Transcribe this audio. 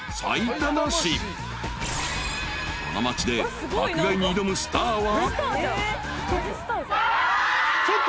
［この町で爆買いに挑むスターは］